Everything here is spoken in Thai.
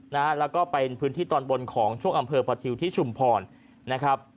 นะฮะแล้วก็เป็นพื้นที่ตอนบนของช่วงอำเภอประทิวที่ชุมพรนะครับ